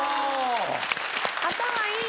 頭いい！